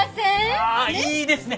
ああいいですね